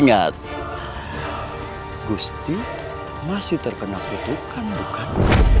pasti masih terkena putu kan bukan